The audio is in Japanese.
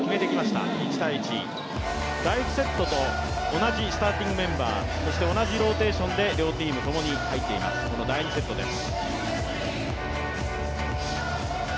第１セットと同じスターティングメンバー、同じローテーションで両チームとも入っています、この第２セットです。